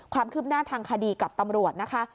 ความคืบหน้าทางคดีกับตำรวจนะคะ